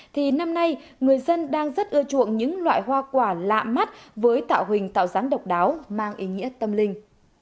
thì năm nay người dân đang rất ưa chuộng những loại hoa quả lạ mắt với tạo hình tạo dáng độc đáo mang ý nghĩa tâm linh